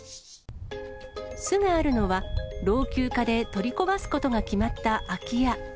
巣があるのは、老朽化で取り壊すことが決まった空き家。